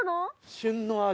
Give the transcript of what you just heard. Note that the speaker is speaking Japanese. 「旬の味